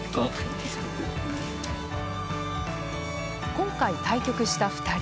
今回対局した２人。